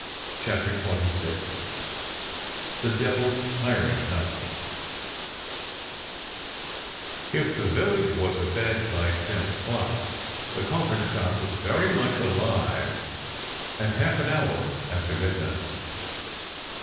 CHAPTER XXVI THE devil's tiring HOUSE IF THE village was abed by ten o'clock, the coffin shop was very much alive at half an hour after midnight.